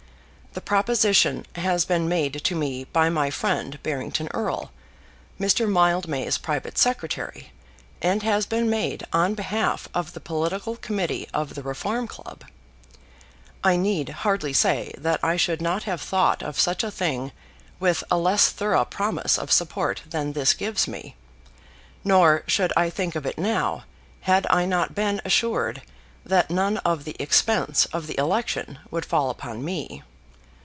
The proposition has been made to me by my friend Barrington Erle, Mr. Mildmay's private secretary, and has been made on behalf of the Political Committee of the Reform Club. I need hardly say that I should not have thought of such a thing with a less thorough promise of support than this gives me, nor should I think of it now had I not been assured that none of the expense of the election would fall upon me.